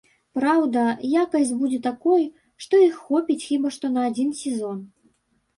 Праўда, якасць будзе такой, што іх хопіць хіба што на адзін сезон.